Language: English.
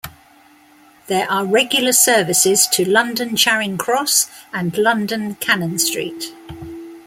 There are regular services to London Charing Cross and London Cannon Street.